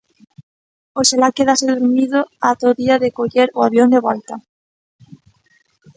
Oxalá quedase durmido ata o día de coller o avión de volta.